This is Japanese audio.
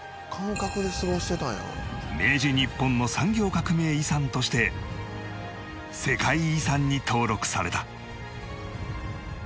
明治日本の産業革命遺産として世界遺産に登録された